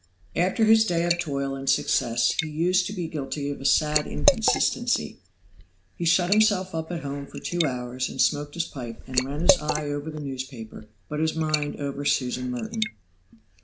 After his day of toil and success he used to be guilty of a sad inconsistency. He shut himself up at home for two hours, and smoked his pipe, and ran his eye over the newspaper, but his mind over Susan Merton.